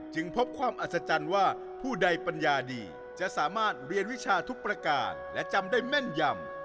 พบความอัศจรรย์ว่าผู้ใดปัญญาดีจะสามารถเรียนวิชาทุกประการและจำได้แม่นยำ